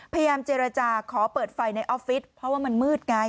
พยายามเจรจาขอเปิดไฟในออฟฟิศเพราะว่ามันมืดไง